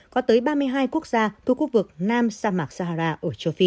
có tới ba mươi hai quốc gia thuộc khu vực nam sa mạc sahara ở châu phi